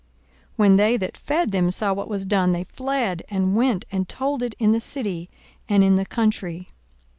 42:008:034 When they that fed them saw what was done, they fled, and went and told it in the city and in the country.